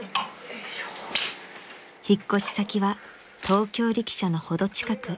［引っ越し先は東京力車の程近く］